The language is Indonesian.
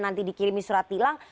nanti dikirimi surat tilang